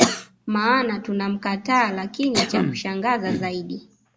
maana tunamkataa Lakini cha kushangaza zaidi